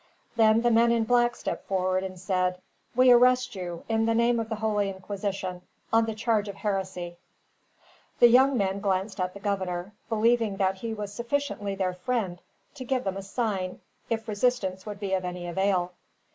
Then the men in black stepped forward and said, "We arrest you, in the name of the holy Inquisition, on the charge of heresy." The young men glanced at the governor, believing that he was sufficiently their friend to give them a sign, if resistance would be of any avail.